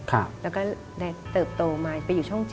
แล้วก็ได้เติบโตมาไปอยู่ช่อง๗